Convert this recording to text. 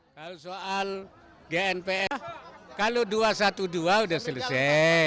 kalau soal gnpf kalau dua ratus dua belas sudah selesai